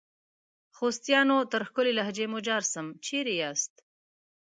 خوستیانو ! تر ښکلي لهجې مو جار سم ، چیري یاست؟